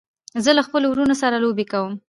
زه له خپلو وروڼو سره لوبې کوم.